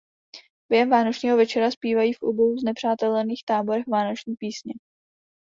Během vánočního večera zpívají v obou znepřátelených táborech vánoční písně.